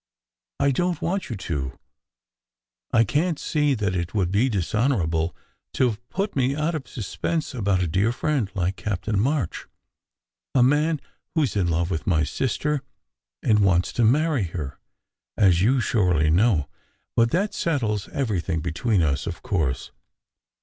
I don t want you to! I can t see that it would be dishonourable to put me out of suspense about a dear friend like Captain March, a man who s in love with my sister, and wants to marry her, as you surely know. But that settles everything be tween us, of course.